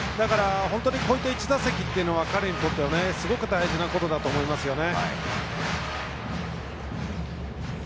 こうした１打席というのは彼にとってすごく大事なことだと思いますよね。